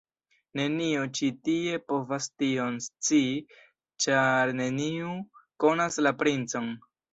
Neniu ĉi tie povas tion scii, ĉar neniu konas la princon!